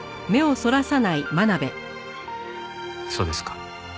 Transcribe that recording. そうですか。